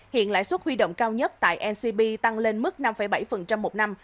hiện lãi suất huy động cao nhất tại ncb tăng lên mức năm bảy một năm